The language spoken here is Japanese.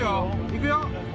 いくよ？